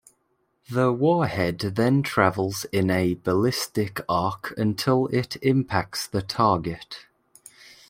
The warhead then travels in a ballistic arc until it impacts the target.